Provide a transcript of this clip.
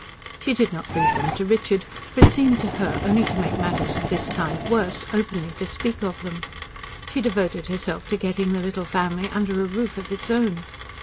She did not breathe them to Richard; for it seemed to her only to make matters of this kind worse, openly to speak of them. She devoted herself to getting the little family under a roof of its own.